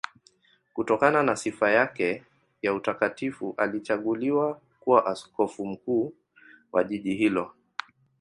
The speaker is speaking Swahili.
Kutokana na sifa yake ya utakatifu alichaguliwa kuwa askofu mkuu wa jiji hilo.